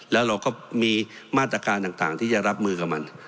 แล้วเราก็มีมาตรการต่างที่จะรับมือกับมัน